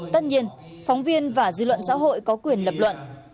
tất nhiên phóng viên và dư luận xã hội có quyền lập luận